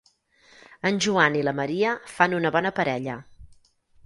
En Joan i la Maria fan una bona parella.